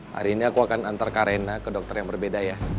hari ini aku akan antar karena ke dokter yang berbeda ya